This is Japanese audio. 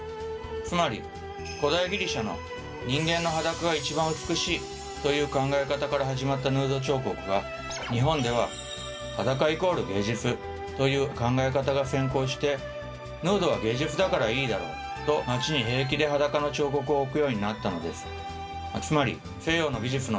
つまり古代ギリシャの「人間の裸が一番美しい」という考え方から始まったヌード彫刻が日本では「裸＝芸術」という考え方が先行してヌードは芸術だからいいだろうと街に平気で裸の彫刻を置くようになったのです。